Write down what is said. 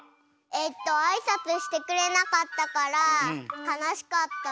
えっとあいさつしてくれなかったからかなしかった。